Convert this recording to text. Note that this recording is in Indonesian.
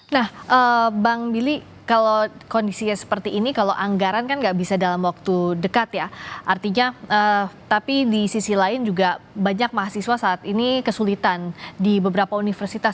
nah bang billy kalau kondisinya seperti ini kalau anggaran kan nggak bisa dalam waktu dekat ya artinya tapi di sisi lain juga banyak mahasiswa saat ini kesulitan di beberapa universitas